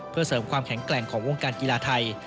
เพื่อเสริมความแข็งแกร่งของวงการกีฬาไทย